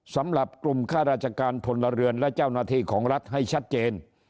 สำหรับกลุ่มข้าราชการพลเรือนและเจ้าหน้าที่ของรัฐให้ชัดเจน